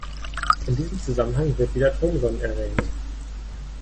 In diesem Zusammenhang wird wieder Thomson erwähnt.